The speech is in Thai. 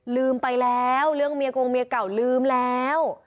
ลืมไปแล้วเรื่องเมียกงเมียเก่าลืมแล้ว